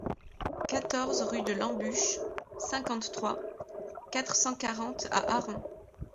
quatorze rue de l'Embûche, cinquante-trois, quatre cent quarante à Aron